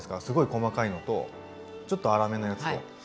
すごい細かいのとちょっと粗めのやつと。